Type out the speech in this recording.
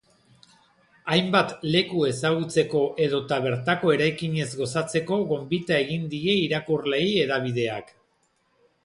Hainbat leku ezagutzeko edota bertako eraikinez gozatzeko gonbita egin die irakurleei hedabideak.